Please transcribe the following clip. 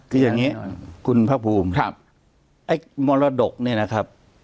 คืออย่างนี้คุณภาคภูมิครับไอ้มรดกเนี่ยนะครับ